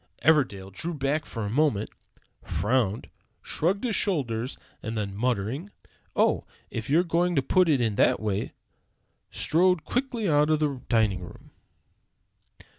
Everdell drew back for a moment, frowned, shrugged his shoulders, and then muttering, "Oh, if you're going to put it in that way," strode quickly out of the dining room.